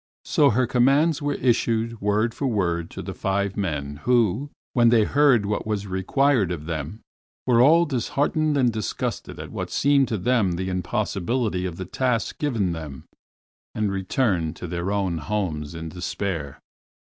So her commands were issued word for word to the five men who, when they heard what was required of them, were all disheartened and disgusted at what seemed to them the impossibility of the tasks given them and returned to their own homes in despair.